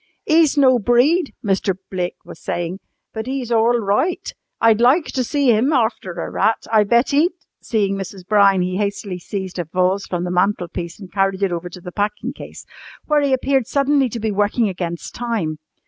"'E's no breed," Mr. Blake was saying, "but 'e's orl roight. I'd loik to see 'im arfter a rat. I bet 'e'd " Seeing Mrs. Brown, he hastily seized a vase from the mantel piece and carried it over to the packing case, where he appeared suddenly to be working against time.